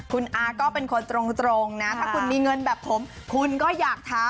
คุณอาก็เป็นคนตรงนะถ้าคุณมีเงินแบบผมคุณก็อยากทำ